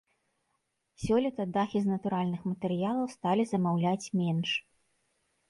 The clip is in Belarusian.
Сёлета дахі з натуральных матэрыялаў сталі замаўляць менш.